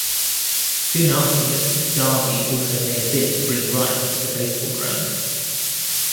Soon afterwards Derby also made a bid to bring Wright to the Baseball Ground.